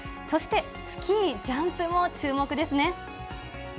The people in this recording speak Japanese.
そして、スキージャンプも注目ですね。